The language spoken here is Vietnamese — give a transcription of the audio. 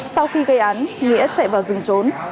sau khi gây án nghĩa chạy vào rừng trốn